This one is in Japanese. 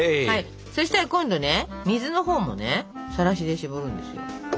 そしたら今度ね水のほうもねさらしでしぼるんですよ。